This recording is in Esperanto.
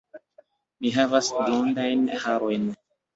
Mi havas blondajn harojn.